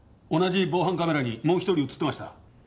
同じ防犯カメラにもう１人映ってました。